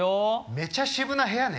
めちゃ渋な部屋ね。